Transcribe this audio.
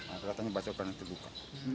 kelihatannya bacokan itu buka